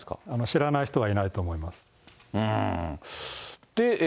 知らない人はいないと思います。